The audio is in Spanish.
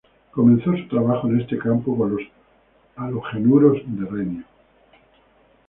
Comenzó su trabajo en este campo con los halogenuros de renio.